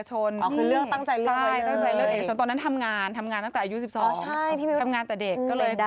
สวยตาเด็ก